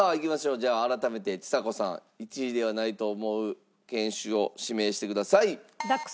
じゃあ改めてちさ子さん１位ではないと思う犬種を指名してください。